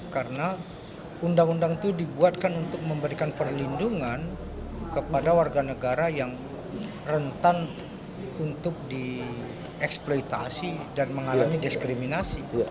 karena undang undang itu dibuatkan untuk memberikan perlindungan kepada warga negara yang rentan untuk dieksploitasi dan mengalami diskriminasi